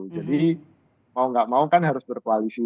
jadi mau nggak mau kan harus berkoalisi